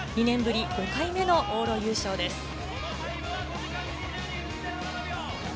２年ぶり５回目の往路優勝です。